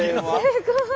すごい。